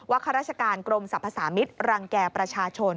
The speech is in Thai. ข้าราชการกรมสรรพสามิตรรังแก่ประชาชน